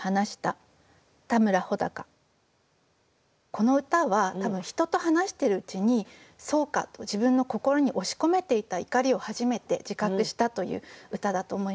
この歌は人と話してるうちに「そうか、」と自分の心に押し込めていた怒りを初めて自覚したという歌だと思います。